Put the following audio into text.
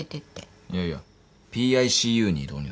いやいやＰＩＣＵに異動になったの。